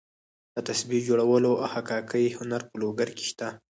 د تسبیح جوړولو او حکاکۍ هنر په لوګر کې شته.